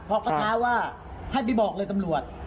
พอเขาท้าว่าให้ไปบอกเลยตำรวจ